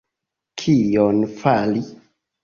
Kion fari!